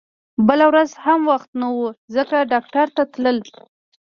بله ورځ هم وخت نه و ځکه ډاکټر ته تلل